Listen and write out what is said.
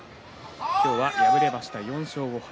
今日は敗れました、４勝５敗。